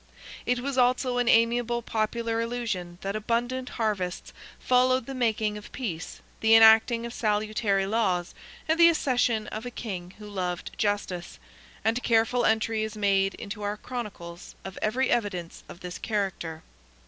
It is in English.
It was also an amiable popular illusion that abundant harvests followed the making of peace, the enacting of salutary laws, and the accession of a King who loved justice; and careful entry is made in our chronicles of every evidence of this character.